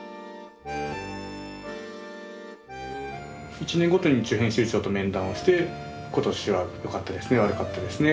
一年ごとに一応編集長と面談をして今年はよかったですね悪かったですね